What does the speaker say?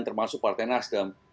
termasuk partai nasdem